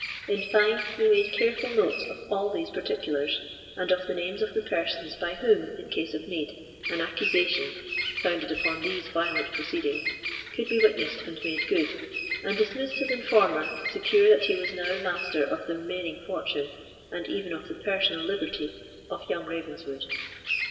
In fine, he made careful notes of all these particulars, and of the names of the persons by whom, in case of need, an accusation, founded upon these violent proceedings, could be witnessed and made good, and dismissed his informer, secure that he was now master of the remaining fortune, and even of the personal liberty, of young Ravenswood.